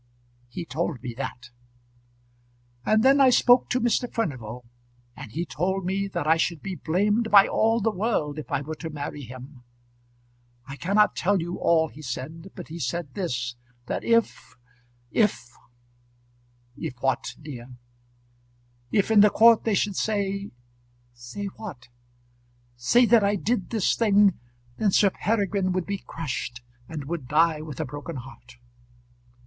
"He told me that." "And then I spoke to Mr. Furnival, and he told me that I should be blamed by all the world if I were to marry him. I cannot tell you all he said, but he said this: that if if " "If what, dear?" "If in the court they should say " "Say what?" "Say that I did this thing, then Sir Peregrine would be crushed, and would die with a broken heart."